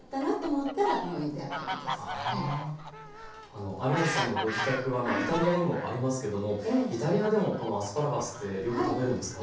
あの有元さんのご自宅はイタリアにもありますけどもイタリアでもこのアスパラガスってよく食べるんですか？